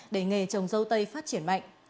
để nghề trồng dâu tây phát triển mạnh